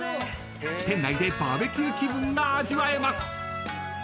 ［店内でバーベキュー気分が味わえます］